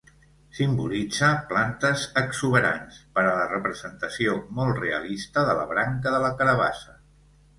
Simbolitza plantes exuberants, per la representació molt realista de la branca de la carabassa.